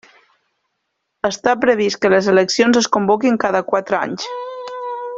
Està previst que les eleccions es convoquin cada quatre anys.